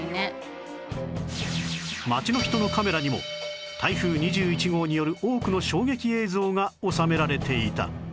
街の人のカメラにも台風２１号による多くの衝撃映像が収められていた